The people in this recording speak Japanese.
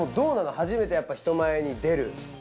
初めて人前に出る。